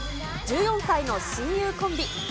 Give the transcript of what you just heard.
１４歳の親友コンビ。